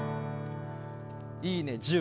「いいね！